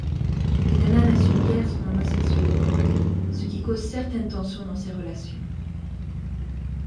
Mais Dana n'assume guère son homosexualité, ce qui cause certaines tensions dans ses relations.